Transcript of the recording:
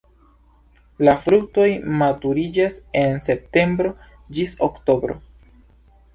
La fruktoj maturiĝas en septembro ĝis oktobro.